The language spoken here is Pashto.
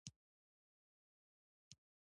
پنېر د بچیانو د خندا خوراک دی.